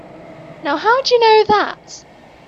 Now how'd you know that?